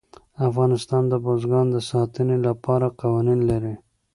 افغانستان د بزګان د ساتنې لپاره قوانین لري.